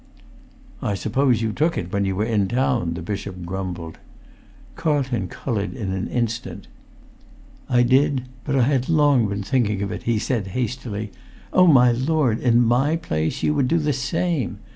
"I suppose you took it when you were in town?" the bishop grumbled. Carlton coloured in an instant. "I did—but I had long been thinking of it," he said, hastily. "Oh, my lord, in my place you would do the same!